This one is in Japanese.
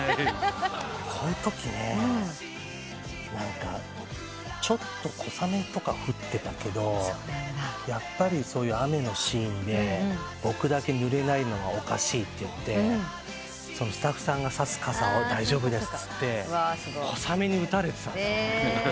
このとき小雨とか降ってたけどそういう雨のシーンで僕だけぬれないのはおかしいってスタッフさんが差す傘を大丈夫ですっつって小雨に打たれてたんです。